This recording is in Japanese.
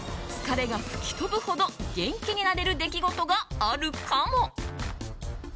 疲れが吹き飛ぶほど元気になれる出来事があるかも？